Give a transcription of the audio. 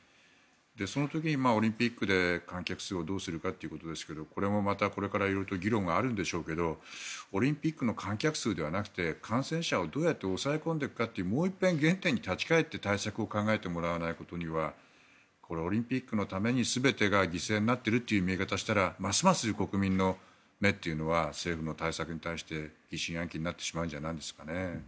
その時に、オリンピックで観客数をどうするかということですがこれもまたこれから議論があるんでしょうけどオリンピックの観客数ではなくて感染者をどうやって抑え込んでいくかというもう一遍、原点に立ち返って対策を考えてもらわないことにはオリンピックのために全てが犠牲になっているという見え方をしたらますます国民の目っていうのは政府の対策に対して疑心暗鬼になってしまうんじゃないですかね。